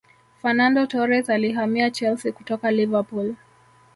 Fernando Torres alihamia chelsea kutoka liverpool